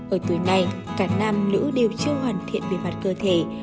ở tuổi này cả nam nữ đều chưa hoàn thiện về mặt cơ thể